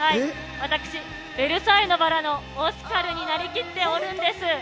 私、ベルサイユのばらのオスカルになりきっておるんです。